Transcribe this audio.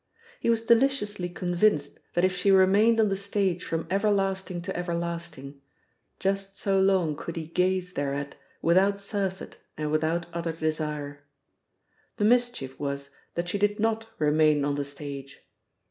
He was deliciously convinced that if she remained on the stage from everlasting to everlasting, just so long could he gaze thereat without surfeit and without other desire. The mischief was that she did not remain on the stage.